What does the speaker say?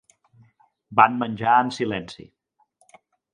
Van menjar en silenci.